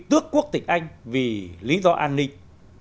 tước quốc tịch anh vì lý do an ninh